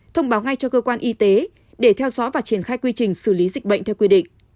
thông báo ngay cho cơ quan y tế để theo dõi và triển khai quy trình xử lý dịch bệnh theo quy định